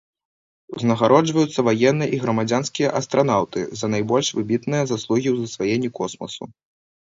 Узнагароджваюцца ваенныя і грамадзянскія астранаўты за найбольш выбітныя заслугі ў засваенні космасу.